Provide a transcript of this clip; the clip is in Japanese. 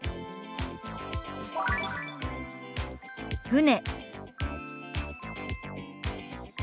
「船」。